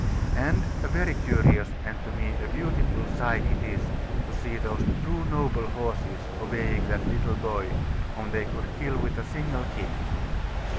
And a very curious, and, to me, a beautiful sight it is, to see those two noble horses obeying that little boy, whom they could kill with a single kick.